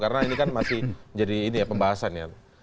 karena ini kan masih jadi ini ya pembahasan ya